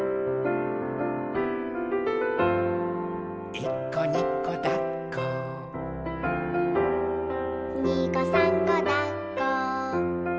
「いっこにこだっこ」「にこさんこだっこ」